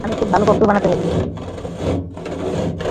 আমি খুব ভালো ককটেল বানাতে পারি।